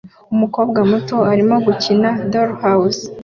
Umukobwa muto arimo gukina na dollhouse